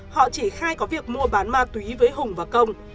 họ chỉ khai có việc mua bán ma túy với hùng và công